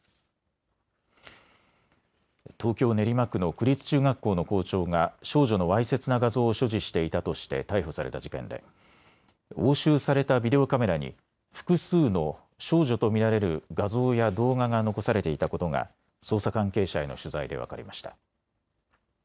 東京練馬区の区立中学校の校長が少女のわいせつな画像を所持していたとして逮捕された事件で押収されたビデオカメラに複数の少女と見られる画像や動画が残されていたことが捜査関係者への取材で分かりました。